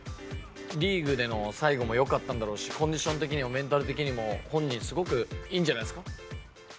リーグでの最後もよかったんだろうし、コンディション的にも、メンタル的にも本人、すごくいいんじゃないですか。